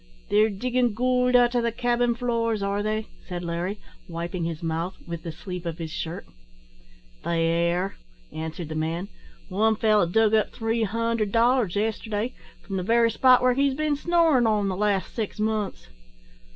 "They're diggin' goold out o' the cabin floors, are they?" said Larry, wiping his mouth with the sleeve of his shirt. "They air," answered the man. "One feller dug up three hundred dollars yesterday, from the very spot where he's bin snorin' on the last six months."